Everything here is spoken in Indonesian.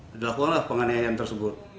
dia lakukanlah penganiayaan tersebut